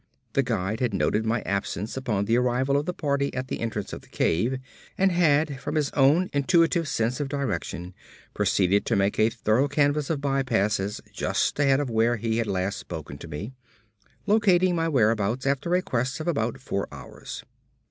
The guide had noted my absence upon the arrival of the party at the entrance of the cave, and had, from his own intuitive sense of direction, proceeded to make a thorough canvass of by passages just ahead of where he had last spoken to me, locating my whereabouts after a quest of about four hours.